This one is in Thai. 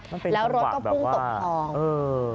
มันเป็นคำหวะแบบว่าแล้วรถก็พุ่งตกลองเออ